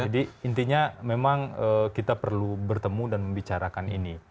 jadi intinya memang kita perlu bertemu dan membicarakan ini